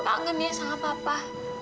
kafa kangen dia sama papa